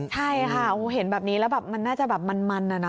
ใช่ค่ะเห็นแบบนี้แล้วแบบมันน่าจะแบบมันนะ